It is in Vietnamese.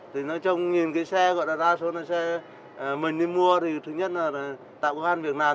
thì nói chung nhìn cái xe gọi là ra số là xe mình đi mua thì thứ nhất là tạo gian việc làm